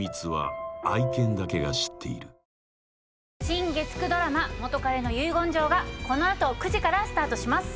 新月９ドラマ『元彼の遺言状』がこの後９時からスタートします。